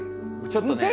ちょっとね。